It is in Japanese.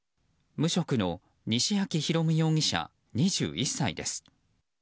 無職の西秋大夢容疑者２１歳です。